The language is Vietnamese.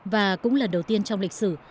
và cũng là đầu tiên trong lịch sử